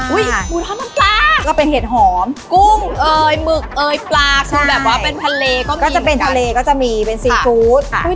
หมูช้อน้ำปลาก็เป็นเห็นหอมกุ้งเอ่ยหมึกเอ่ยปลาก็จะเป็นทะเลก็จะมีเป็นซีฟู้ด